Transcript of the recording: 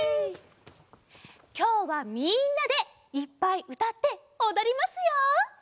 きょうはみんなでいっぱいうたっておどりますよ！